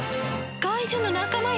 怪獣の仲間よ。